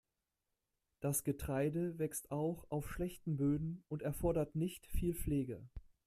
Das Getreide wächst auch auf schlechten Böden und erfordert nicht viel Pflege.